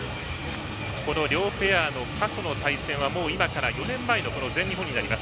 この両ペアの過去の対戦は今から４年前の全日本になります。